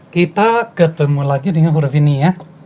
kita ketemu lagi dengan huruf ini ya